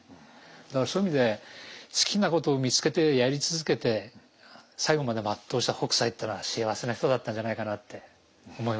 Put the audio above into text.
だからそういう意味で好きなことを見つけてやり続けて最後まで全うした北斎っていうのは幸せな人だったんじゃないかなって思いますね。